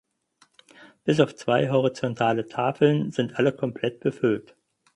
Bis auf zwei horizontale Tafeln sind alle komplett befüllt.